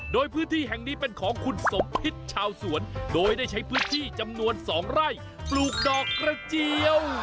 โดยพื้นที่แห่งนี้เป็นของคุณสมพิษชาวสวนโดยได้ใช้พื้นที่จำนวน๒ไร่ปลูกดอกกระเจียว